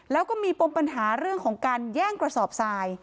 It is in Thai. แล้วก็มีปมปัญหาเรื่องของการแย่งกระสอบทราย